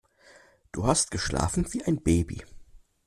Du hast geschlafen wie ein Baby.